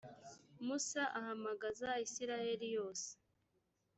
musa ahamagaza israheli yose,